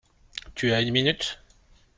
Tu as une minute.